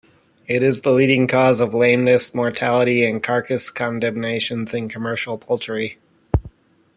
It is the leading cause of lameness, mortality, and carcass condemnations in commercial poultry.